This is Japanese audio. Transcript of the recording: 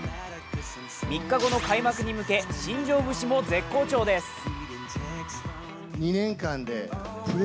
３日後の開幕に向け、新庄節も絶好調です。